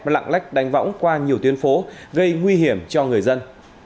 lặng lách đánh võng qua nhiều tuyến phố gây nguy hiểm cho người dân